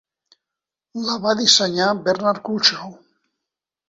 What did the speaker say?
La va dissenyar Bernard Culshaw.